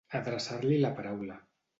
Adreçar-li la paraula.